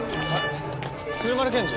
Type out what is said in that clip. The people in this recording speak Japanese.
鶴丸検事！？